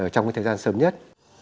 trong thời gian sớm nhất